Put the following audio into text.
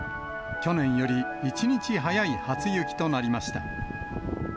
去年より１日早い初雪となりました。